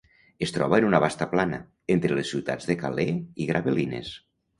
Es troba en una vasta plana, entre les ciutats de Calais i Gravelines.